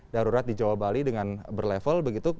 darurat di jawa bali dengan berlevel begitu